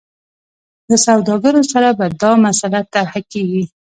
له سوداګرو سره به دا مسله طرحه کړي.